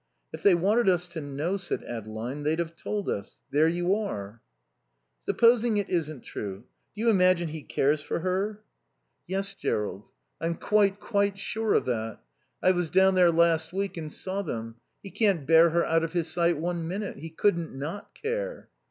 "If they wanted us to know," said Adeline, "they'd have told us. There you are." "Supposing it isn't true, do you imagine he cares for her?" "Yes, Jerrold. I'm quite, quite sure of that. I was down there last week and saw them. He can't bear her out of his sight one minute. He couldn't not care."